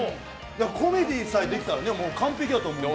コメディーさえできたら完璧だと思うんです。